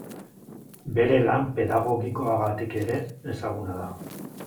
Bere lan pedagogikoagatik ere ezaguna da.